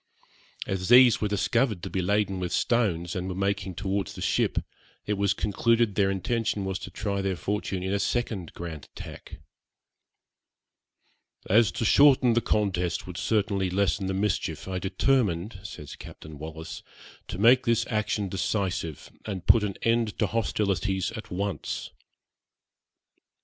As these were discovered to be laden with stones, and were making towards the ship, it was concluded their intention was to try their fortune in a second grand attack. 'As to shorten the contest would certainly lessen the mischief, I determined,' says Captain Wallis, 'to make this action decisive, and put an end to hostilities at once.'